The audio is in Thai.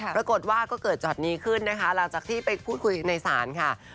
ปรากฏว่าก็เกิดช็อตนี้ขึ้นนะคะหลังจากที่ไปพูดคุยในศาลค่ะ